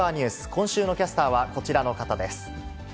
今週のキャスターはこちらの方です。